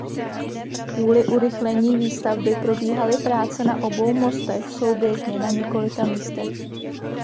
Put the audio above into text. Kvůli urychlení výstavby probíhaly práce na obou mostech souběžně na několika místech.